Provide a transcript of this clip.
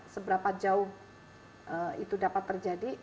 seberapa jauh itu dapat terjadi